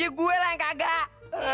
ya gue lah yang kagak